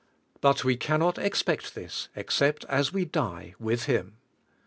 But we can not expect this except as we die with Him.